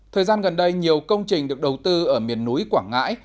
thời gian gần đây nhiều công trình được đầu tư ở miền núi quảng ngãi